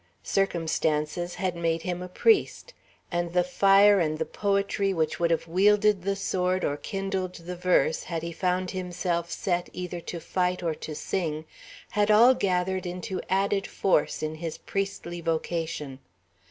Circumstances had made him a priest; and the fire and the poetry which would have wielded the sword or kindled the verse, had he found himself set either to fight or to sing, had all gathered into added force in his priestly vocation.